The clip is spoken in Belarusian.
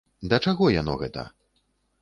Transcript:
Да чаго яно гэта?